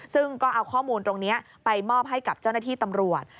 ซึ่งก็เอาข้อมูลตรงนี้ไปมอบให้กับเจ้าหน้าที่ตำรวจ